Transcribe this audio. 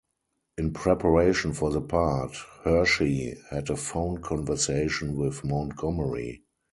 In preparation for the part, Hershey had a phone conversation with Montgomery.